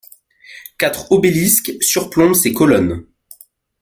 Quatre obélisques surplombent ces colonnes.